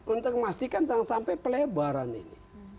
untuk memastikan jangan sampai pelebaran ini